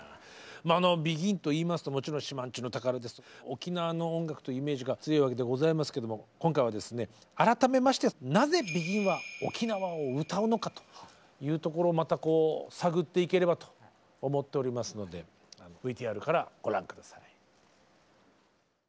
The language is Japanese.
まああのＢＥＧＩＮと言いますともちろん「島人ぬ宝」とか沖縄の音楽というイメージが強いわけでございますけども今回はですね改めまして「なぜＢＥＧＩＮは沖縄を歌うのか」というところをまたこう探っていければと思っておりますのでＶＴＲからご覧下さい。